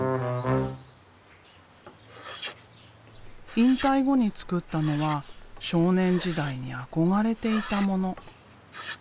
引退後に作ったのは少年時代に憧れていたもの。